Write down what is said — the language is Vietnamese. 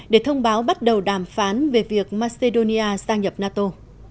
để thông báo bắt đầu đàm phán về việc macedonia gia nhập nato